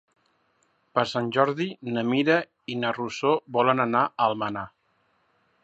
Per Sant Jordi na Mira i na Rosó volen anar a Almenar.